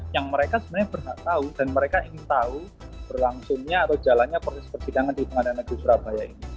yang mereka sebenarnya berhak tahu dan mereka ingin tahu berlangsungnya atau jalannya proses persidangan di pengadilan negeri surabaya ini